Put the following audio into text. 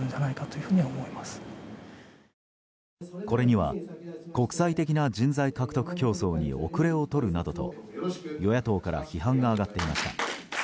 これには国際的な人材獲得競争に後れを取るなどと与野党から批判が上がっていました。